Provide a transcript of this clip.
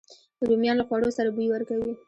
رومیان له خوړو سره بوی ورکوي